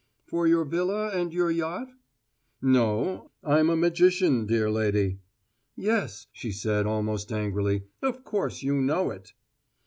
"For your villa and your yacht?" "No; I'm a magician, dear lady " "Yes," she said, almost angrily. "Of course you know it!"